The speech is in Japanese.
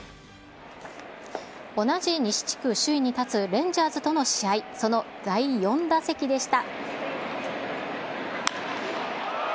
同じ西地区首位に立つレンジャーズとの試合、その第４打席でした。